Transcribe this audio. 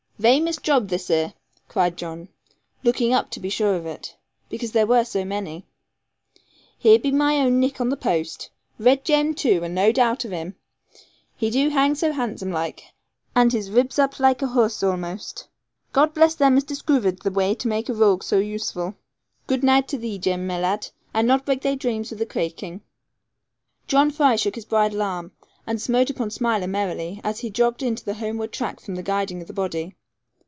'Vamous job this here,' cried John, looking up to be sure of it, because there were so many; 'here be my own nick on the post. Red Jem, too, and no doubt of him; he do hang so handsome like, and his ribs up laike a horse a'most. God bless them as discoovered the way to make a rogue so useful. Good naight to thee, Jem, my lad; and not break thy drames with the craikin'.' John Fry shook his bridle arm, and smote upon Smiler merrily, as he jogged into the homeward track from the guiding of the body.